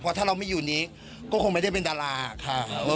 เพราะถ้าเราไม่อยู่นี้ก็คงไม่ได้เป็นดาราค่ะ